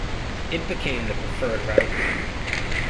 It became the preferred route.